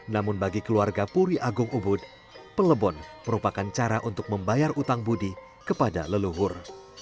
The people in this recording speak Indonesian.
namun bagi keluarga puri agung ubud pelebon merupakan cara untuk membayar utang budi kepada leluhur